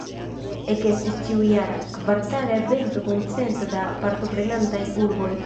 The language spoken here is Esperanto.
Ekestis ĉiujara, kvartaga evento kun cento da partoprenantaj urboj.